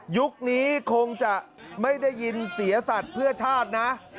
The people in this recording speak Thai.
ยุคนี้คงจะไม่ได้ยินเสียสัตว์เพื่อชาตินะ